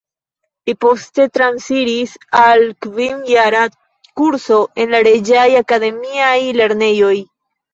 Li poste transiris al kvin-jara kurso en la Reĝaj Akademiaj Lernejoj.